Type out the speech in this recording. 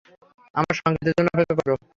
আমার সংকেতের জন্য অপেক্ষা করো।